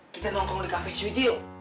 kita nongkrong di cafe studio